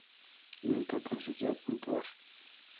Nunca consiguió puntuar.